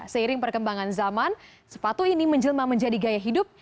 seiring perkembangan zaman sepatu ini menjelma menjadi gaya hidup